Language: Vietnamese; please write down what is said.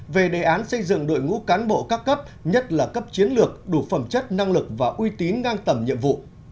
về đề án xây dựng đội ngũ cán bộ các cấp nhất là cấp chiến lược đủ phẩm chất năng lực và uy tín ngang tầm nhiệm vụ